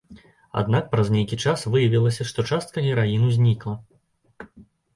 Аднак праз нейкі час выявілася, што частка гераіну знікла.